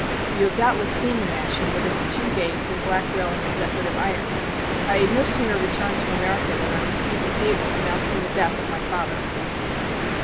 You have doubtless seen the mansion with its two gates and black railing of decorative iron. I had no sooner returned to America than I received a cable announcing the death of my father."